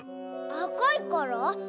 あかいから？